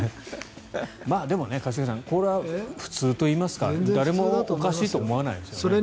でも一茂さん、これは普通といいますか誰もおかしいと思わないですよね。